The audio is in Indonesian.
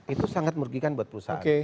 itu sangat merugikan buat perusahaan